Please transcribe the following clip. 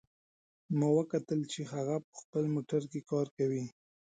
ما وکتل چې هغه په خپل موټر کې کار کوي